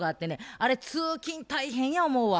あれ通勤大変や思うわ。